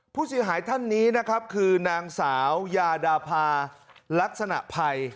ผู้เสียหายท่านนี้นะครับคือนางสาวยาดาพาลักษณะภัย